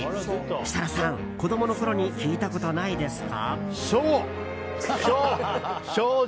設楽さん、子供のころに聞いたことないですか？